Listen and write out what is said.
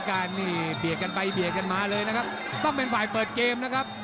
อย่ายุบเนี่ยน้ำเงินอย่ายุบ